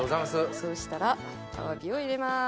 そうしたらアワビを入れます。